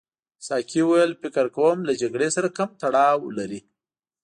ساقي وویل فکر کوم له جګړې سره کوم تړاو لري.